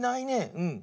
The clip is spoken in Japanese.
うん。